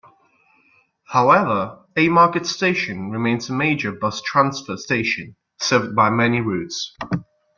However, Haymarket station remains a major bus transfer station, served by many routes.